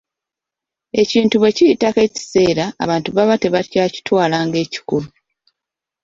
Ekintu bwe kiyitako ekiseera abantu baba tebakyakitwala ng’ekikulu.